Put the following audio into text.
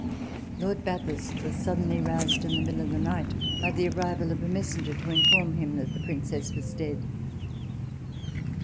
Lord Bathurst was suddenly roused in the middle of the night by the arrival of a messenger to inform him that the Princess was dead.